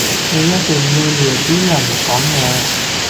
你一定要撩啲人講嘢